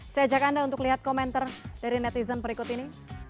saya ajak anda untuk lihat komentar dari netizen berikut ini